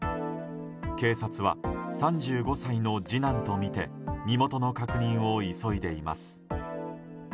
警察は、３５歳の次男とみて身元の確認を急いでいます。